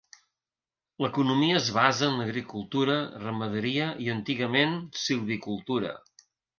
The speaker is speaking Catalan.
L'economia es basa en agricultura, ramaderia i antigament silvicultura.